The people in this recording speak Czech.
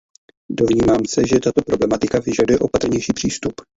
Domnívám se, že tato problematika vyžaduje opatrnější přístup.